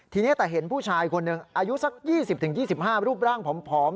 ทีนี้แต่เห็นผู้ชายคนหนึ่งอายุสัก๒๐๒๕รูปร่างผอม